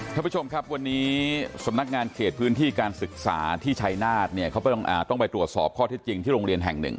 ท่านผู้ชมครับวันนี้สำนักงานเขตพื้นที่การศึกษาที่ชัยนาธเนี่ยเขาต้องไปตรวจสอบข้อเท็จจริงที่โรงเรียนแห่งหนึ่ง